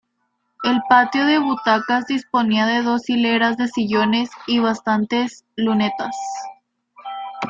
El patio de butacas disponía de dos hileras de sillones y bastantes lunetas.